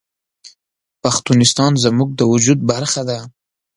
پښتونستان زموږ د وجود برخه ده